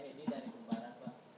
di jpu kkj atau